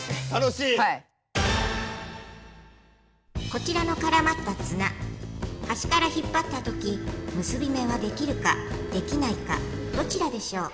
こちらのからまった綱はしから引っぱったとき結び目はできるかできないかどちらでしょう？